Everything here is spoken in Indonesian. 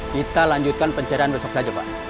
kita lanjutkan pencarian besok saja pak